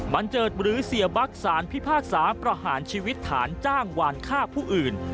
เจิดหรือเสียบั๊กสารพิพากษาประหารชีวิตฐานจ้างวานฆ่าผู้อื่น